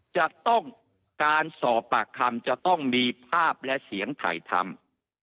จะต้องการสอบปากคำจะต้องมีภาพและเสียงถ่ายทำ